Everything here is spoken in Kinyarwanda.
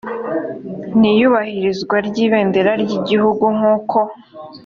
n iyubahirizwa by ibendera ry igihugu nk uko